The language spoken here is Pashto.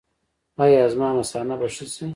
ایا زما مثانه به ښه شي؟